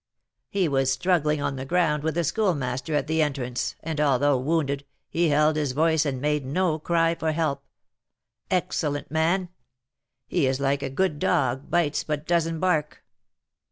"He was struggling on the ground with the Schoolmaster at the entrance, and, although wounded, he held his voice and made no cry for help. Excellent man! he is like a good dog, bites, but doesn't bark.